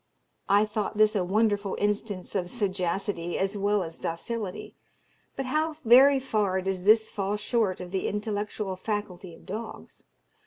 I thought this a wonderful instance of sagacity as well as docility, but how very far does this fall short of the intellectual faculty of dogs!